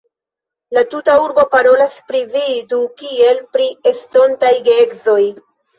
La tuta urbo parolas pri vi du kiel pri estontaj geedzoj.